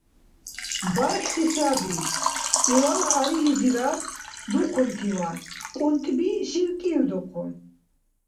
- Бархьси саби, - илала арилизирад духъунтиван, кӀунтӀби шивкӀивдухъун.